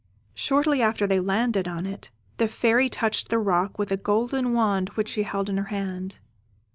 Shortly after they had landed on it, the Fairy touched the rock with a golden wand which she held in her hand.